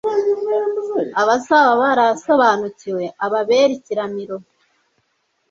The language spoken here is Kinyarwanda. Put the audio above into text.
abazaba barayasobanukiwe, ababere ikiramiro